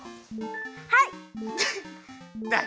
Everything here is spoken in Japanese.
はい！